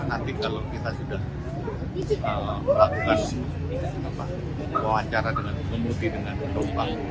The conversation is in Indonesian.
nanti kalau kita sudah melakukan wawancara dengan pengemudi dengan penumpang